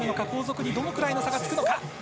後続にどれくらいの差がつくのか？